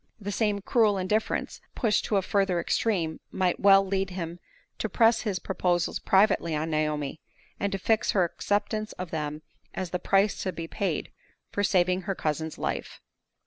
The same cruel indifference, pushed to a further extreme, might well lead him to press his proposals privately on Naomi, and to fix her acceptance of them as the price to be paid for saving her cousin's life.